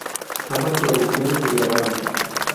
Ambas producciones se grabaron.